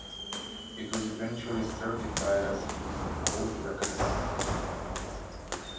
It was eventually certified as a gold record.